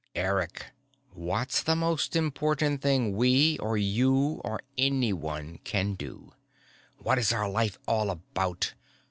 "Eric, what's the most important thing we, or you, or anyone, can do? What is our life all about?